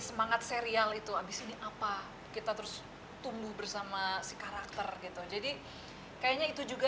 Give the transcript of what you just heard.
semangat serial itu abis ini apa kita terus tumbuh bersama si karakter gitu jadi kayaknya itu juga